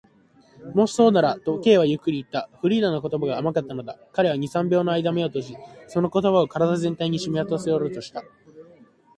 「もしそうなら」と、Ｋ はゆっくりといった。フリーダの言葉が甘かったのだ。彼は二、三秒のあいだ眼を閉じ、その言葉を身体全体にしみとおらせようとした。